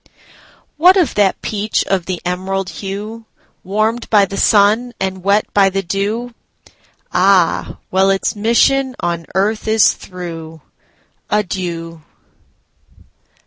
What of that peach of the emerald hue, Warmed by the sun, and wet by the dew? Ah, well, its mission on earth is through. Adieu!